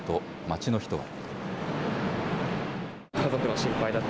街の人は。